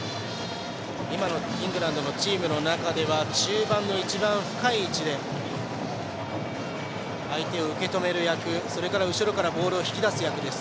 今のイングランドのチームの中では中盤の一番深い位置で相手を受け止める役それから後ろからボールを引き出す役です。